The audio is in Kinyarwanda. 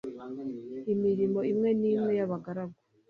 imirimo imwe n'imwe y'abagaragu